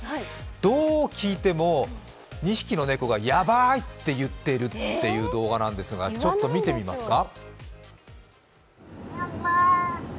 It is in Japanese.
どう聞いても２匹の猫がヤバいと言ってる動画なんですが、ちょっと見てみますか。